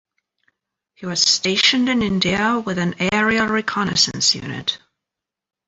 He was stationed in India with an aerial reconnaissance unit.